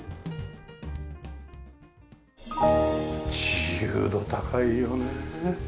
自由度高いよね。